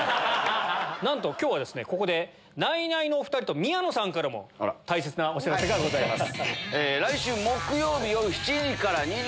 なんと今日はここでナイナイのお２人と宮野さんから大切なお知らせがございます。